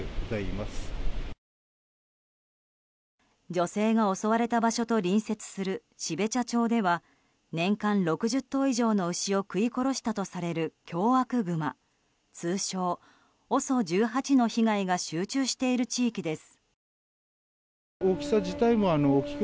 女性が襲われた場所と隣接する標茶町では年間６０頭以上の牛を食い殺したとされる凶悪グマ通称ＯＳＯ１８の被害が集中している地域です。